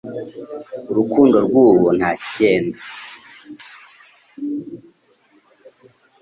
urukundo rw'ubu nta kigenda,